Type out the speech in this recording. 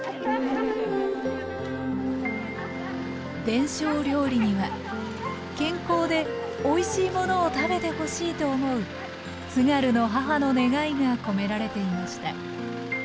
伝承料理には健康でおいしいものを食べてほしいと思う津軽の母の願いが込められていました